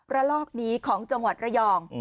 ระลอกนี้ของจังหวัดระยอง